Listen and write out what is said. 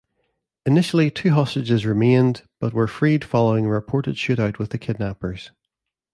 Initially, two hostages remained but were freed following a reported shootout with the kidnappers.